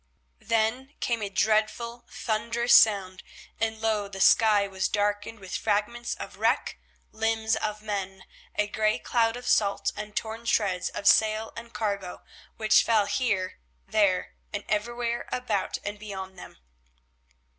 Then came a dreadful, thunderous sound, and lo! the sky was darkened with fragments of wreck, limbs of men, a grey cloud of salt and torn shreds of sail and cargo, which fell here, there, and everywhere about and beyond them.